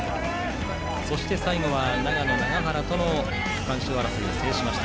そして、最後長野の永原との区間賞争いを制しました。